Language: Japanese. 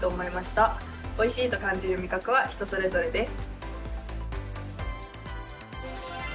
おいしいと感じる味覚は人それぞれです。